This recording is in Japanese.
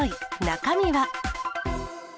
中身は？